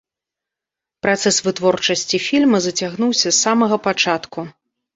Працэс вытворчасці фільма зацягнуўся з самага пачатку.